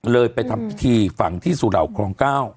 เลยไปทำพิธีฝังที่สุเหล่าคลอง๙